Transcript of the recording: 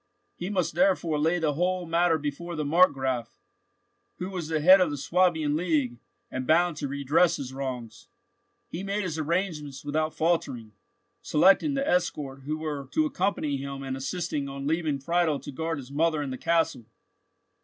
He must therefore lay the whole matter before the Markgraf, who was the head of the Swabian League, and bound to redress his wrongs. He made his arrangements without faltering, selecting the escort who were to accompany him, and insisting on leaving Friedel to guard his mother and the castle.